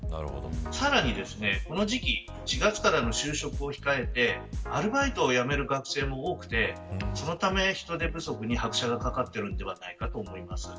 さらにこの時期４月からの就職を控えてアルバイトを辞める学生も多くてそのため人手不足に拍車がかかっているのではないかと思います。